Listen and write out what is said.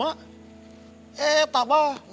ini siapa pak